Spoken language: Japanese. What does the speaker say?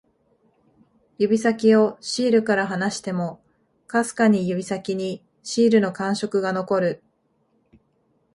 指先をシールから離しても、かすかに指先にシールの感触が残る